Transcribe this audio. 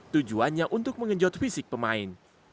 tujuannya untuk mengenjot fisik pemain